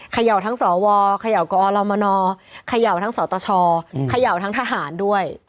เขย่าทั้งสวเขย่ากอรมนเขย่าทั้งสตชเขย่าทั้งทหารด้วย